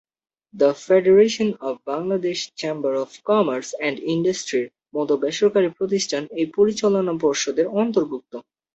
The federation of Bangladesh chamber of commerce and ইন্ডাস্ট্রির মতো বেসরকারি প্রতিষ্ঠান এই পরিচালনা পর্ষদের অন্তর্ভুক্ত।